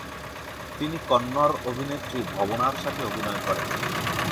তিনি কন্নড় অভিনেত্রী ভবনার সাথে অভিনয় করেন।